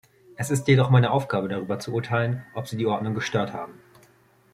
Es ist jedoch meine Aufgabe, darüber zu urteilen, ob Sie die Ordnung gestört haben.